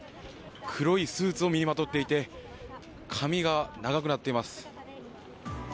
黒いスーツを身にまとっていて髪が長くなっています。